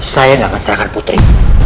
saya nggak akan serahkan putri